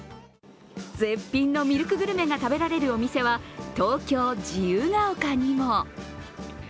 絶品のミルクグルメが食べられるお店は東京・自由が丘にも。